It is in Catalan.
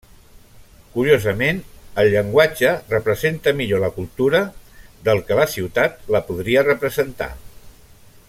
Curiosament, el llenguatge representa millor la cultura del que la ciutat la podria representar.